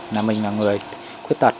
là mình là người quyết tật